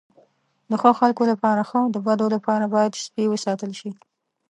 د ښو خلکو لپاره ښه، د بدو لپاره باید سپي وساتل شي.